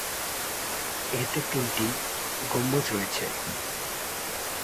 এতে তিনটি গম্বুজ রয়েছে।